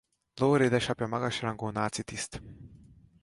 Lore édesapja magas rangú náci tiszt.